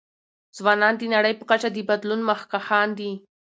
ځوانان د نړۍ په کچه د بدلون مخکښان دي.